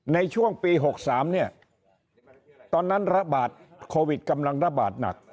ในช่วงปี๖๓เนี่ยตอนนั้นระบาดโควิดกำลังระบาดหนัก